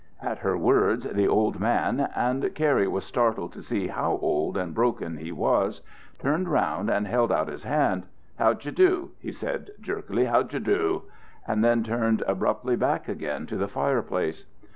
At her words the old man and Cary was startled to see how old and broken he was turned round and held out his hand, "How d'you do?" he said jerkily, "how d'you do?" and then turned abruptly back again to the fireplace.